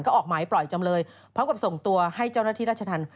ก็ออกหมายปล่อยจำเลยพร้อมกับส่งตัวให้เจ้าหน้าที่ราชธรรม